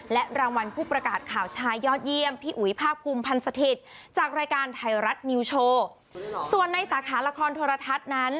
และรางวัลผู้ประกาศข่าวชายยอดเยี่ยมพี่อุ๋ยภาคภูมิพันธ์สถิตย์จากรายการไทยรัฐนิวโชว์ส่วนในสาขาละครโทรทัศน์นั้น